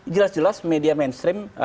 jelas jelas media mainstream